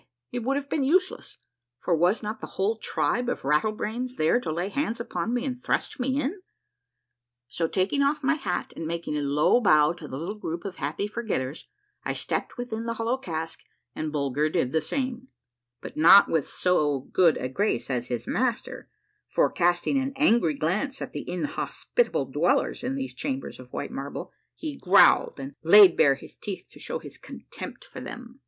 It would have been useless, for was not the whole tribe of Rattlebrains there to lay hands upon me and thrust me in ? So taking off my hat and making a low bow to the little group of Happy Forgetters, I stepped within the hollow cask and Bulger did the same ; but not with so good a grace as his master, for, casting an angry glance at the inhospitable dwellers in these chambers of white marble, he growled and laid bare his teeth to show his contempt for them.